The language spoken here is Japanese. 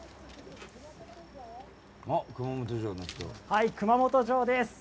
はい、熊本城です。